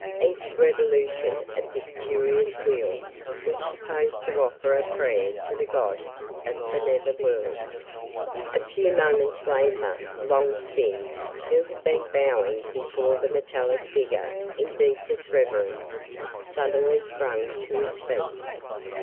Each revolution of this curious wheel was supposed to offer a prayer to the god of the netherworld. A few moments later, Long Sin, who had been bowing before the metallic figure in deepest reverence, suddenly sprang to his feet.